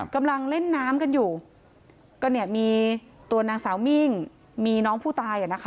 กำลังเล่นน้ำกันอยู่ก็เนี่ยมีตัวนางสาวมิ่งมีน้องผู้ตายอ่ะนะคะ